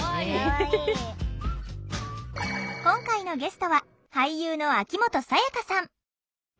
今回のゲストは俳優の秋元才加さん。